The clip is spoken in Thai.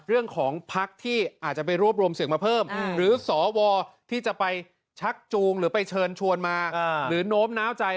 เรื่องของพักที่อาจจะไปรวบรวมเสียงมาเพิ่มหรือสวที่จะไปชักจูงหรือไปเชิญชวนมาหรือโน้มน้าวใจ